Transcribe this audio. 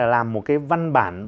làm một cái văn bản